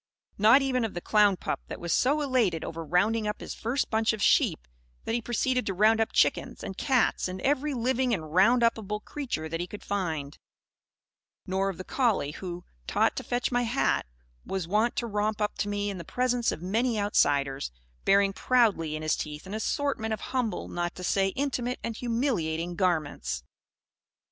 Not even of the clown pup that was so elated over "rounding up" his first bunch of sheep that he proceeded to round up chickens and cats and every living and round up able creature that he could find; nor of the collie who, taught to fetch my hat, was wont to romp up to me in the presence of many outsiders; bearing proudly in his teeth an assortment of humble, not to say intimate and humiliating, garments.